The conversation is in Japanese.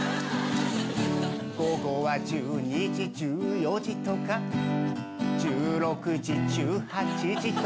「午後は１２時１４時とか１６時１８時とか」